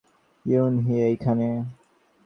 Yoon Hee এখানে।